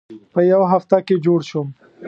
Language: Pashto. په یوه هفته کې جوړ شوم.